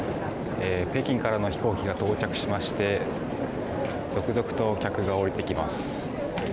北京からの飛行機が到着しまして続々と客が降りてきます。